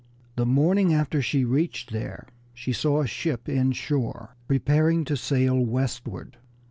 The morning after she reached there she saw a ship inshore preparing to sail westward.